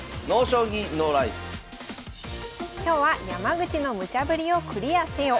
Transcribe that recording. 今日は「山口のムチャぶりをクリアせよ」。